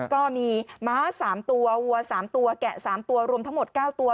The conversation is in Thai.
ก็มีม้า๓ตัววัว๓ตัวแกะ๓ตัวรวมทั้งหมด๙ตัว